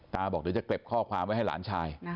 บอกเดี๋ยวจะเก็บข้อความไว้ให้หลานชาย